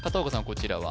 こちらは？